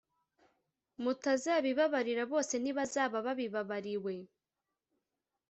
mutazabibabarira bose ntibazaba babibabariwe